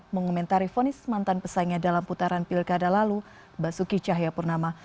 mengomentari fonis mantan pesaingnya dalam putaran pilkada lalu basuki cahayapurnama